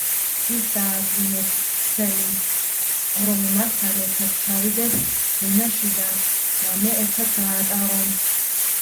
ის დაარწმუნებს სელინს, რომ მასთან ერთად ჩავიდეს ვენაში და ღამე ერთად გაატარონ.